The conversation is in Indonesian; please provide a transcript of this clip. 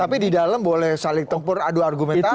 tapi di dalam boleh saling tempur adu argumentasi